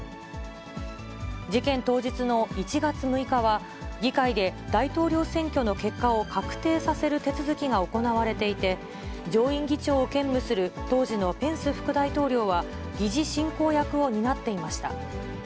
事件当日の１月６日は、議会で大統領選挙の結果を確定させる手続きが行われていて、上院議長を兼務する当時のペンス副大統領は、議事進行役を担っていました。